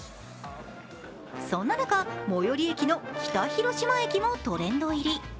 そんな中、最寄り駅の北広島駅もトレンド入り。